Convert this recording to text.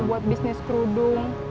buat bisnis kerudung